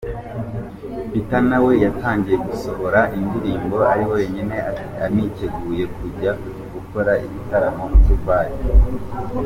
Peter na we yatangiye gusohora indirimbo ari wenyine aniteguye kujya gukorera ibitaramo i Dubai.